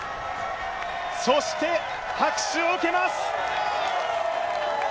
そして拍手を受けます。